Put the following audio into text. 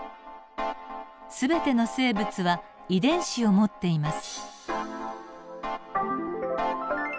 全ての生物は遺伝子を持っています。